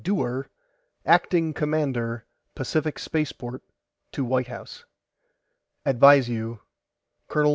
DEWAR ACTING COMMANDER PACIFIC SPACEPORT TO WHITE HOUSE: ADVISE YOU COL.